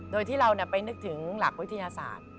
โดยที่เราไปนึกถึงหลักวิทยาศาสตร์